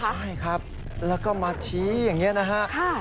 ใช่ครับแล้วก็มาชี้อย่างนี้นะฮะ